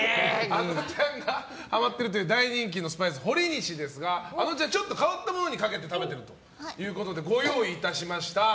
あのちゃんがハマっているという大人気のスパイスほりにしですが、あのちゃんちょっと変わったものにかけて食べているということでご用意いたしました。